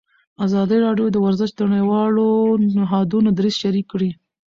ازادي راډیو د ورزش د نړیوالو نهادونو دریځ شریک کړی.